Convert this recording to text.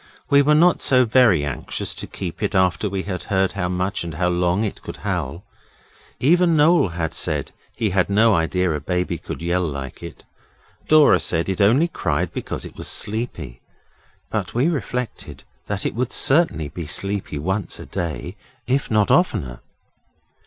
We were not so very extra anxious to keep it after we had heard how much and how long it could howl. Even Noel had said he had no idea a baby could yell like it. Dora said it only cried because it was sleepy, but we reflected that it would certainly be sleepy once a day, if not oftener.